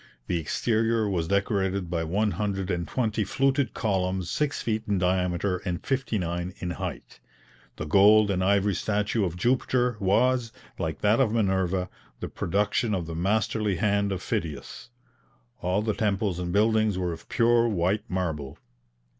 The exterior was decorated by one hundred and twenty fluted columns six feet in diameter and fifty nine in height. The gold and ivory statue of Jupiter was, like that of Minerva, the production of the masterly hand of Phidias. All the temples and buildings were of pure white marble.